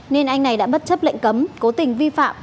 nên anh này đã bất chấp lệnh cấm cố tình vi phạm